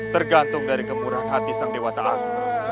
tergantung dari kemurahan hati sang dewata aku